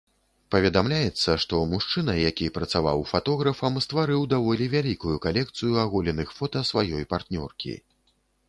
Паведамляецца, што мужчына, які працаваў фатографам, стварыў даволі вялікую калекцыю аголеных фота сваёй партнёркі.